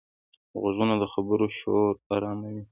غوږونه د خبرو شور آراموي